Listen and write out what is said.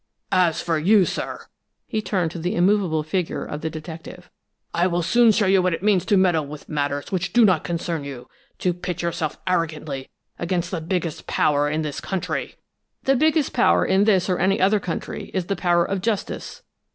"As for you, sir!" He turned to the immovable figure of the detective. "I will soon show you what it means to meddle with matters which do not concern you to pit yourself arrogantly against the biggest power in this country!" "The biggest power in this or any other country is the power of justice."